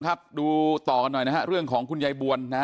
ครับดูต่อกันหน่อยนะฮะเรื่องของคุณยายบวนนะฮะ